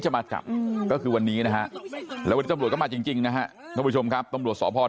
จะมาจับก็คือวันนี้นะฮะแล้วตำรวจก็มาจริงนะฮะคุณผู้ชมครับตำรวจสอบพอร์